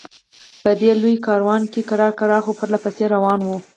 په دې لوی کاروان کې ورو ورو، خو پرله پسې روان و.